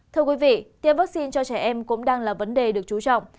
thưa quý vị tiêm vaccine cho trẻ em cũng đang là vấn đề được chú trọng